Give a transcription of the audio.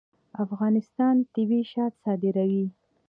افغانستان طبیعي شات صادروي